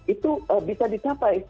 itu bisa dicapai